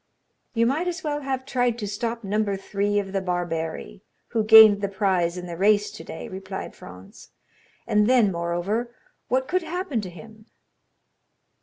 "You might as well have tried to stop number three of the barberi, who gained the prize in the race today," replied Franz; "and then moreover, what could happen to him?"